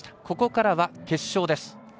ここからは決勝です。